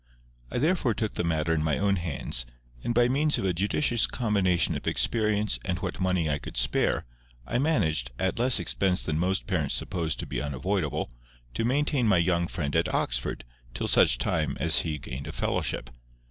I therefore took the matter in my own hands, and by means of a judicious combination of experience and what money I could spare, I managed, at less expense than most parents suppose to be unavoidable, to maintain my young friend at Oxford till such time as he gained a fellowship.